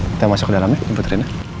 kita masuk ke dalam ya ikut rina